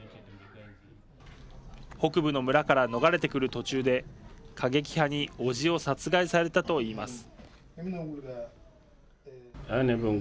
北部の村から逃れてくる途中で過激派におじを殺害されたといいます。